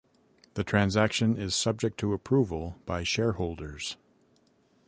The transaction is subject to approval by shareholders.